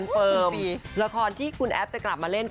เพิ่งสึกมาเลย